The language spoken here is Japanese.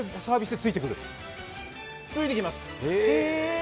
ついてきます。